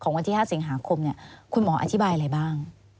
วันที่๕สิงหาคมคุณหมออธิบายอะไรบ้าง